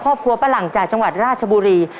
ครอบครัวป้าหลังจากจังหวัดราชบุรี